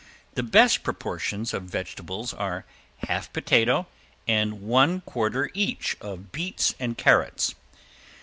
The best proportions of vegetables are half potato and one quarter each of beets and carrots.